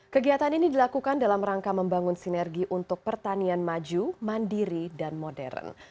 kegiatan ini dilakukan dalam rangka membangun sinergi untuk pertanian maju mandiri dan modern